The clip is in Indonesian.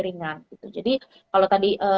ringan gitu jadi kalau tadi